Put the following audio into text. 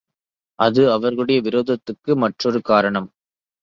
அது அவர்களுடைய விரோதத்துக்கு மற்றொரு காரணம்.